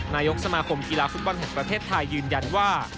นายกสมาคมกีฬาฟุตบอลแห่งประเทศไทยยืนยันว่า